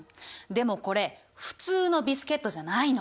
でもこれ普通のビスケットじゃないの。